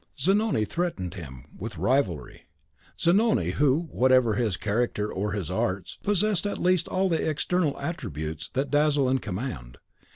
Zanoni threatened him with rivalry. Zanoni, who, whatever his character or his arts, possessed at least all the external attributes that dazzle and command.